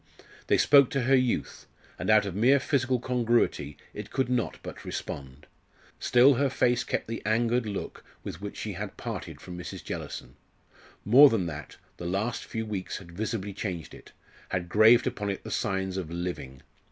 They spoke to her youth, and out of mere physical congruity it could not but respond. Still, her face kept the angered look with which she had parted from Mrs. Jellison. More than that the last few weeks had visibly changed it, had graved upon it the signs of "living."